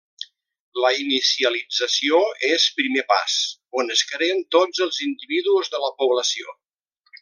La inicialització és primer pas, on es creen tots els individus de la població.